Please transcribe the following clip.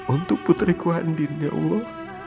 untuk putriku andin ya allah